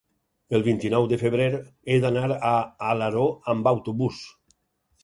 El vint-i-nou de febrer he d'anar a Alaró amb autobús.